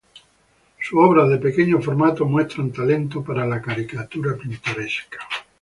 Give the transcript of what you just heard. Sus obras de pequeño formato muestran talento para la caricatura pintoresca.